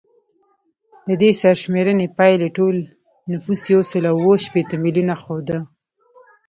د دې سرشمېرنې پایلې ټول نفوس یو سل اووه شپیته میلیونه ښوده